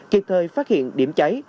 kịp thời phát hiện điểm cháy